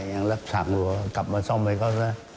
อย่างรับสั่งหัวกลับมาซ่อมไว้ก็ได้